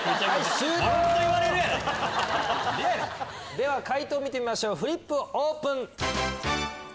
⁉では解答見てみましょうフリップオープン！